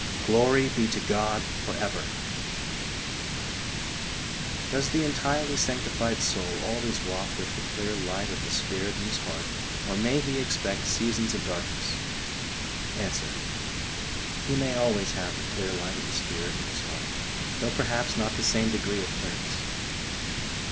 Glory be to God for ever ! Does the entirely sanctified soul always walk with the clear light of the Spirit in his heart, or may he expect seasons of darkness? Answer : He may always have the clear light of the Spirit in his heart, though perhaps not the same degree of clearness.